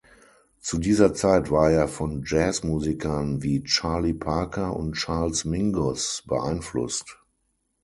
Zu dieser Zeit war er von Jazzmusikern wie Charlie Parker und Charles Mingus beeinflusst.